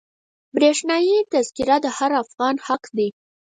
برښنایي تذکره د هر افغان حق دی.